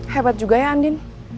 hebat juga ya andin